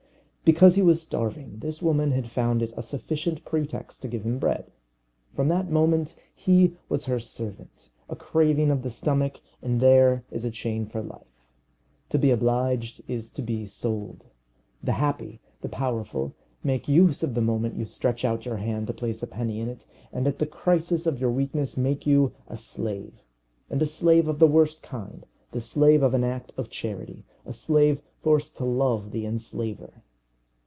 Because he was starving, this woman had found it a sufficient pretext to give him bread. From that moment he was her servant; a craving of the stomach, and there is a chain for life! To be obliged is to be sold. The happy, the powerful, make use of the moment you stretch out your hand to place a penny in it, and at the crisis of your weakness make you a slave, and a slave of the worst kind, the slave of an act of charity a slave forced to love the enslaver.